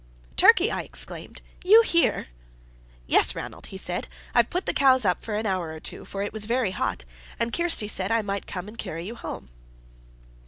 "Turkey!" I exclaimed; "you here!" "Yes, Ranald," he said; "I've put the cows up for an hour or two, for it was very hot; and Kirsty said I might come and carry you home."